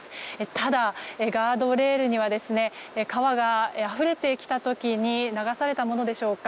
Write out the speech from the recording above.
ただ、ガードレールには川があふれてきた時に流されたものでしょうか。